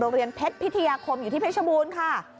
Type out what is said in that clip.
โรงเรียนเพชรพิธิาคมอยู่ที่เพชรบูรณ์ค่ะ